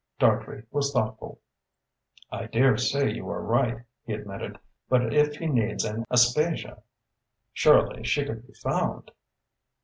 Dartrey was thoughtful. "I dare say you are right," he admitted, "but if he needs an Aspasia, surely she could be found?"